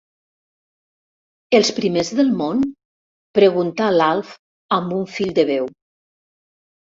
Els primers del món? —preguntà l'Alf amb un fil de veu.